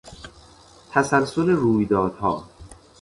تسلسل رویدادها